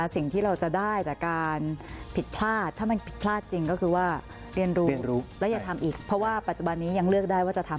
สิ่งที่เราจะได้จากการผิดพลาด